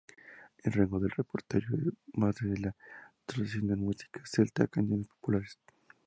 El rango del repertorio va desde la tradicional música celta a canciones populares.